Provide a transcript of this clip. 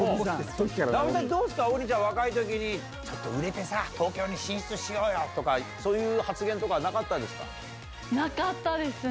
どうですか、王林ちゃん、若いときに、ちょっと売れてさ、東京に進出しようよとか、そういなかったですね。